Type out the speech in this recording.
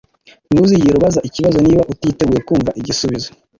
ntuzigere ubaza ikibazo niba utiteguye kumva igisubizo